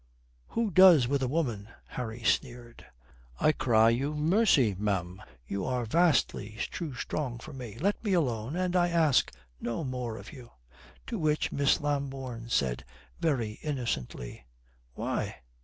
"Who does with a woman?" Harry sneered. "I cry you mercy, ma'am. You are vastly too strong for me. Let me alone and I ask no more of you." To which Miss Lambourne said, very innocently, "Why?"